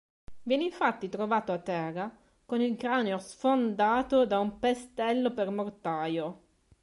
Viene infatti trovato a terra, con il cranio sfondato da un pestello per mortaio.